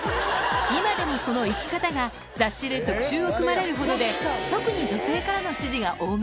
今でもその生き方が雑誌で特集を組まれるほどで特に女性からの支持が多め